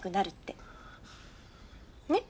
ねっ？